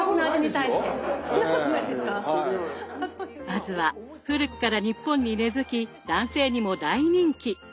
まずは古くから日本に根づき男性にも大人気！